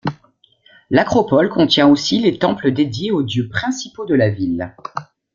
L'acropole contient aussi les temples dédiés aux dieux principaux de la ville.